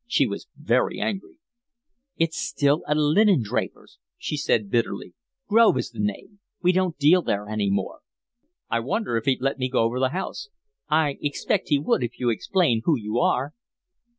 She was very angry. "It's still a linendraper's," she said bitterly. "Grove is the name. We don't deal there any more." "I wonder if he'd let me go over the house." "I expect he would if you explain who you are."